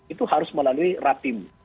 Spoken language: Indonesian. itu harus melalui rapim